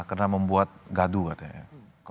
karena membuat gaduh katanya ya